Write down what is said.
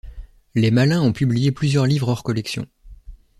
Les Malins ont publié plusieurs livres hors collection.